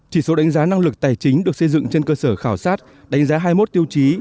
chỉ số đánh giá năng lực tài chính được xây dựng trên cơ sở khảo sát đánh giá hai mươi một tiêu chí